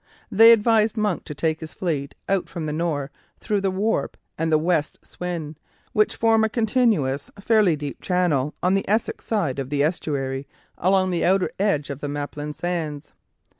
They advised Monk to take his fleet out from the Nore through the Warp and the West Swin, which form a continuous, fairly deep channel on the Essex side of the estuary along the outer edge of the Maplin Sands.